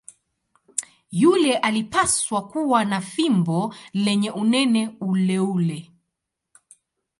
Yule alipaswa kuwa na fimbo lenye unene uleule.